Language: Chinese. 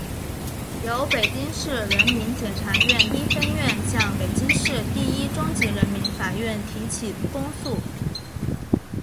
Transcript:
由北京市人民检察院第一分院向北京市第一中级人民法院提起公诉